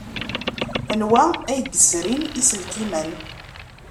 Anwa ay yesrin iselkimen?